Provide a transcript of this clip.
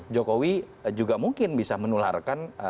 jokowi juga mungkin bisa menularkan